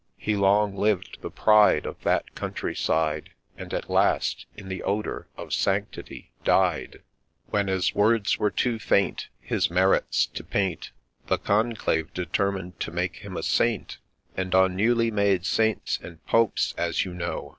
* He long lived the pride Of that country side, And at last in the odour of sanctity died ; THE JACKDAW OF RHEIMS 135 When, as words were too faint His merits to paint, The Conclave determined to make him a Saint ; And on newly made Saints and Popes, as you know.